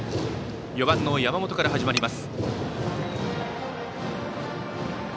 ４番の山本から始まります。